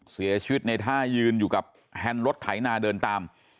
เสียชีวิตในท่ายืนอยู่กับแฮนด์รถไถนาเดินตาม